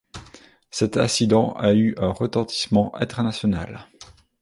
Cet incident a eu un retentissement international.